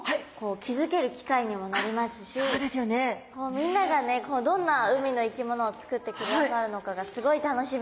みんながねどんな海の生き物を作ってくださるのかがすごい楽しみです。